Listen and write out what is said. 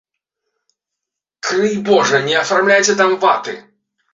Крый божа, не афармляйце там ваты!